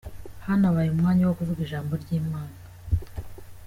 Hanabaye umwanya wo kuvuga ijambo ry'Imana.